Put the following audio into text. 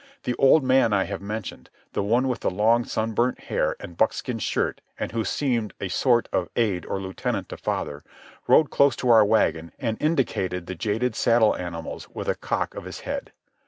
The old man I have mentioned, the one with long, sunburnt hair and buckskin shirt and who seemed a sort of aide or lieutenant to father, rode close to our wagon and indicated the jaded saddle animals with a cock of his head.